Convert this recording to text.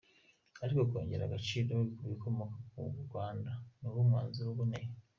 Ariko kongera agaciro k’ibikomoka ku myanda ni wo mwanzuro uboneye”.